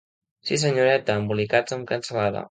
Sí, senyoreta, embolicats amb cansalada.